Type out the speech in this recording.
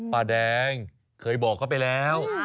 ป้าแดงเคยบอกเขาไปแล้ว